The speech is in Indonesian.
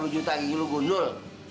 tiga puluh juta ini lu gundul